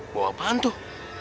mau apaan tuh